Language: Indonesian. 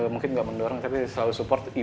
mungkin nggak mendorong tapi selalu support ibu kali ya